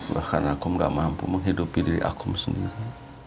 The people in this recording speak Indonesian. bahkan akum gak mampu menghidupi diri akum sendiri